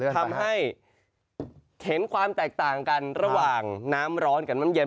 ทำให้เห็นความแตกต่างกันระหว่างน้ำร้อนกับน้ำเย็น